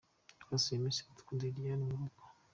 Twasuye Miss Iradukunda Liliane mu rugo.